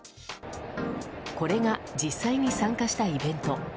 これが実際に参加したイベント。